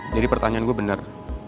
jadi pertanyaan gue bener